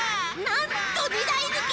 なんと２だいぬき！